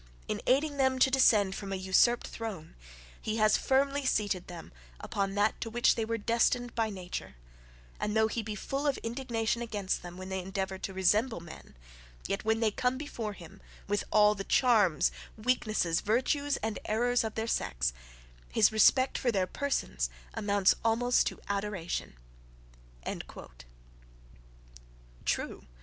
In aiding them to descend from an usurped throne, he has firmly seated them upon that to which they were destined by nature; and though he be full of indignation against them when they endeavour to resemble men, yet when they come before him with all THE CHARMS WEAKNESSES, VIRTUES, and ERRORS, OF their sex, his respect for their PERSONS amounts almost to adoration." True!